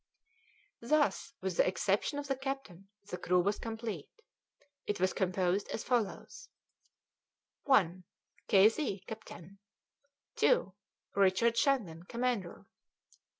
Thus, with the exception of the captain, the crew was complete. It was composed as follows: 1. K. Z., captain; 2. Richard Shandon, commander; 3.